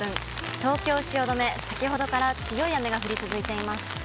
東京・汐留、先ほどから強い雨が降り続いています。